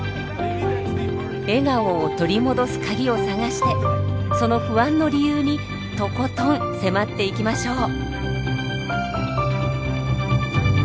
笑顔を取り戻す鍵を探してその不安の理由にとことん迫っていきましょう！